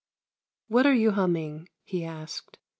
" What are you humming? " he asked.